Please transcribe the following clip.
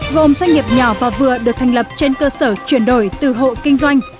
gồm doanh nghiệp nhỏ và vừa được thành lập trên cơ sở chuyển đổi từ hộ kinh doanh